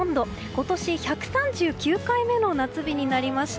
今年１３９回目の夏日になりました。